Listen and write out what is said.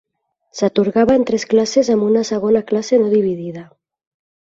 S'atorgava en tres classes amb una segona classe no dividida.